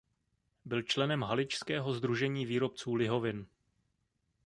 Byl členem haličského sdružení výrobců lihovin.